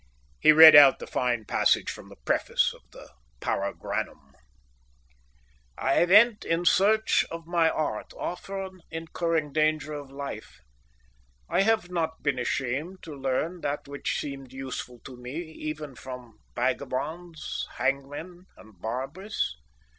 He read out the fine passage from the preface of the Paragranum: "I went in search of my art, often incurring danger of life. I have not been ashamed to learn that which seemed useful to me even from vagabonds, hangmen, and barbers.